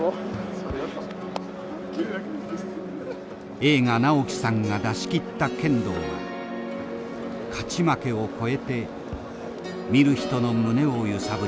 栄花直輝さんが出しきった剣道は勝ち負けを超えて見る人の胸を揺さぶりました。